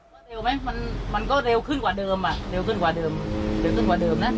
ว่าเร็วไหมมันมันก็เร็วขึ้นกว่าเดิมอ่ะเร็วขึ้นกว่าเดิมเร็วขึ้นกว่าเดิมนะ